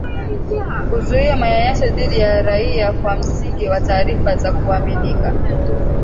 kuzuia manyanyaso dhidi ya raia kwa msingi wa taarifa za kuaminika